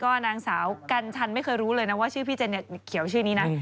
นางสาวกัญชันไม่เคยรู้เลยนะว่าชื่อพี่เจนเขียวชื่อนี้นะ